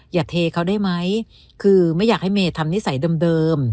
เทเขาได้ไหมคือไม่อยากให้เมย์ทำนิสัยเดิม